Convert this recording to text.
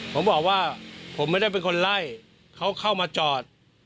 ผมบอกว่าผมไม่ได้เป็นคนไล่เขาเข้ามาจอด